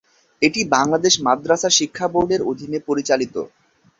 এটি বাংলাদেশ মাদ্রাসা শিক্ষা বোর্ডের অধীনে পরিচালিত।